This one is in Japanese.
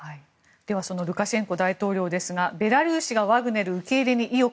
ルカシェンコ大統領ですがベラルーシがワグネル受け入れに意欲。